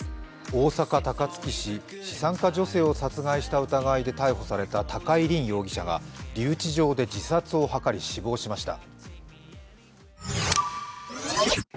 大阪・高槻市資産家女性を殺害した疑いで逮捕された高井凜容疑者が留置場で自殺を図り死亡しました。